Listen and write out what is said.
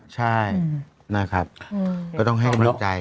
ใช่นะครับก็ต้องให้กำลังใจ